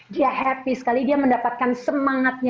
dia happy sekali dia mendapatkan semangatnya